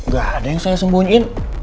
gak ada yang saya sembunyiin